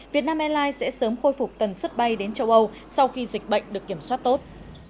việt nam airlines sẽ sớm khôi phục tần suất bay đến châu âu sau khi dịch bệnh được kiểm soát tốt